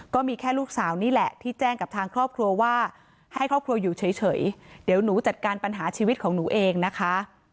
ก็มีแค่ลูกสาวนี่แหละที่แจ้งกับทางครอบครัวว่าให้ครอบครัวอยู่เฉยเดี๋ยวหนูจัดการปัญหาชีวิตของหนูเองนะคะ